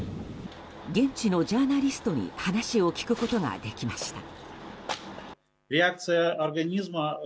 現地のジャーナリストに話を聞くことができました。